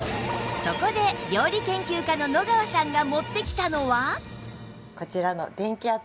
そこで料理研究家の野川さんが持ってきたのは